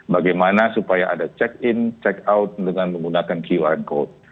bagaimana supaya ada check in check out dengan menggunakan qr code